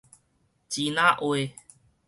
支那話